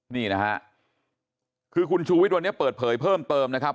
นี่นะฮะคือคุณชูวิทย์วันนี้เปิดเผยเพิ่มเติมนะครับ